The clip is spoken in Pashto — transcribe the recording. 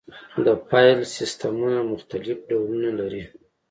د فایل سیستمونه مختلف ډولونه لري.